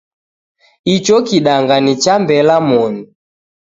Icho kidanga ni cha Mbela moni.